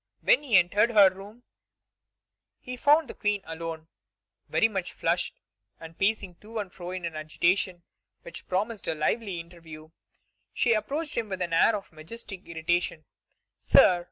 When he entered her room, he found the Queen alone, very much flushed, and pacing to and fro in an agitation which promised a lively interview. She approached him with an air of majestic irritation: "Sir!"